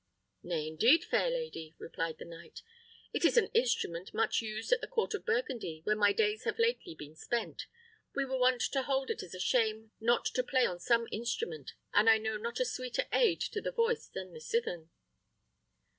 "Nay, indeed, fair lady," replied the knight, "it is an instrument much used at the court of Burgundy, where my days have lately been spent. We were wont to hold it as a shame not to play on some instrument, and I know not a sweeter aid to the voice than the cithern."